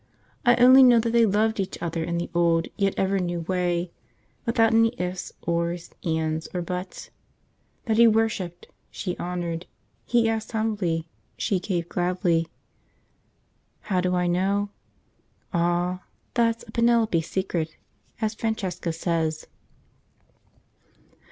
I only know that they loved each other in the old yet ever new way, without any ifs or ands or buts; that he worshipped, she honoured; he asked humbly, she gave gladly. How do I know? Ah! that's a 'Penelope secret,' as Francesca says.